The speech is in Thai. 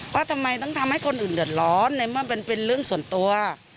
ว่าทำไมต้องทำให้คนอื่นเดือดร้อนในเมื่อมันเป็นเรื่องส่วนตัว